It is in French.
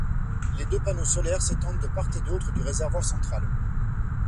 Les deux panneaux solaires s'étendent de part et d'autre du réservoir central.